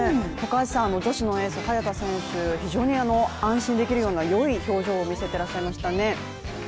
女子のエース、早田選手、非常に安心できるようなよい表情を見せていましたね